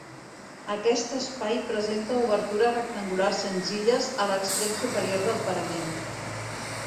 Aquest espai presenta obertures rectangulars senzilles a l'extrem superior del parament.